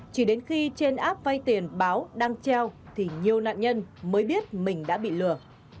chỉ đến khi trên app vay tiền báo đang treo thì nhiều nạn nhân mới biết mình đã bị lừa